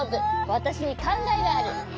わたしにかんがえがある。